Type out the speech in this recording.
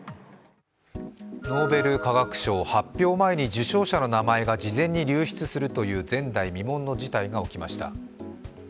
ノーベル化学賞発表前に受賞者の名前が流出するという前代未聞の事態が起きました。